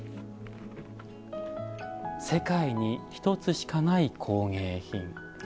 「世界に一つしかない工芸品」。